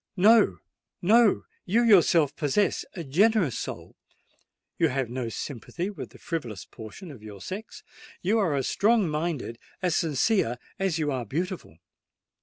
No—no: you yourself possess a generous soul—you have no sympathy with the frivolous portion of your sex—you are as strong minded, as sincere as you are beautiful.